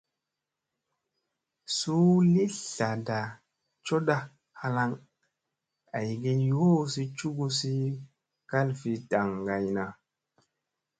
Suu li tlada coda halaŋ aygi yoosi cugusi kalfi daŋgayna.